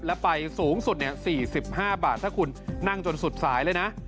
แล้วไปสูงสุด๔๕บาทถ้าคุณนั่งจนสุดสายเลยนะ